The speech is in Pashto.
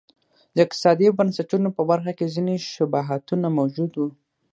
د اقتصادي بنسټونو په برخه کې ځیني شباهتونه موجود و.